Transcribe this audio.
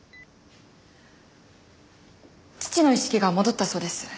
父の意識が戻ったそうです。